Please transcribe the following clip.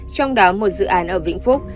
trong đó một dự án ở vĩnh phúc